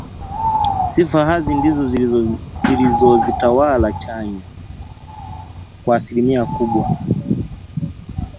Sifa hasi ndizo zilizozitawala chanya kwa asilimia kubwa